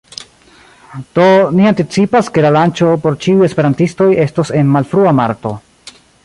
Do, ni anticipas, ke la lanĉo por ĉiuj esperantistoj estos en malfrua marto